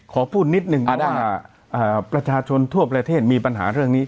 ขอพูดนิดนึงว่าประชาชนทั่วประเทศมีปัญหาเรื่องนี้